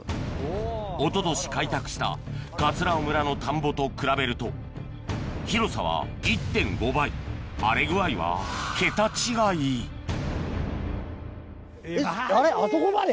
おととし開拓した尾村の田んぼと比べると広さは１．５倍荒れ具合は桁違いあれあそこまで？